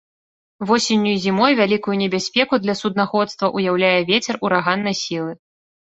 Восенню і зімой вялікую небяспеку для суднаходства ўяўляе вецер ураганнай сілы.